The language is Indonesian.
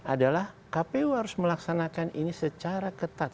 adalah kpu harus melaksanakan ini secara ketat